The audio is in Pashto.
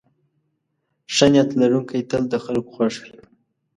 ښه نیت لرونکی تل د خلکو خوښ وي.